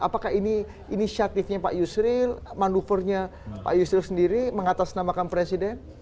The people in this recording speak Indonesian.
apakah ini inisiatifnya pak yusril manuvernya pak yusril sendiri mengatasnamakan presiden